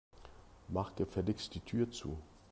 Mach gefälligst die Tür zu.